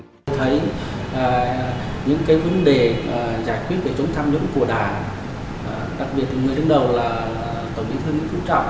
tôi thấy những vấn đề giải quyết về chống tham nhũng của đảng đặc biệt người đứng đầu là tổng thống phú trọng